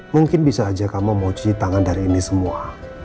mungkin bisa aja kamu mau cuci tangan dari ini semua